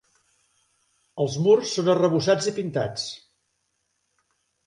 Els murs són arrebossats i pintats.